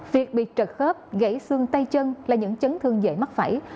việc bị trượt khớp gãy xương tay chân là những chấn thương dễ mắc phải